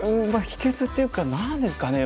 秘けつっていうか何ですかね。